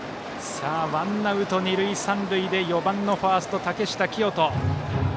ワンアウト二塁三塁で４番ファーストの竹下聖人。